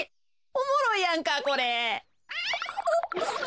おもろいやんかこれ。